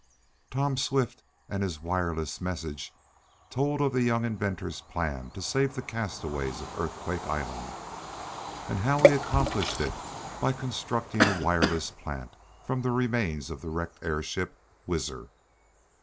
"Tom Swift and His Wireless Message" told of the young inventor's plan to save the castaways of Earthquake Island, and how he accomplished it by constructing a wireless plant from the remains of the wrecked airship Whizzer.